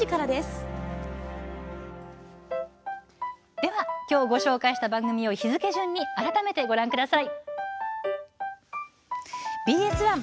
では、きょうご紹介した番組を日付順に改めてご覧ください。